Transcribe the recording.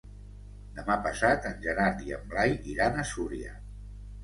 Demà passat en Gerard i en Blai iran a Súria.